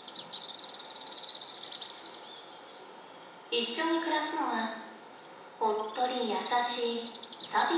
一緒に暮らすのはおっとり優しいサビオ。